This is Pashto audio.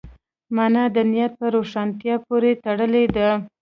مانا د نیت په روښانتیا پورې تړلې ده.